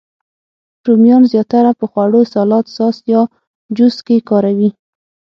رومیان زیاتره په خوړو، سالاد، ساس، یا جوس کې کاروي